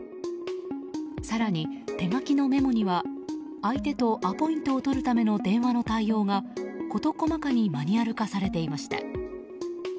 更に、手書きのメモには相手とアポイントを取るための電話の対応が事細かにマニュアル化されていました。